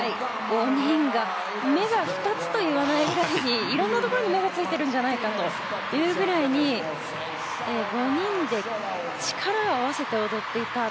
５人が目が２つとはいわないくらいにいろんなところに目がついてるんじゃないかというくらい５人で力を合わせて踊っていた。